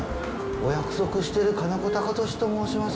お約束してる金子貴俊と申しますけれども。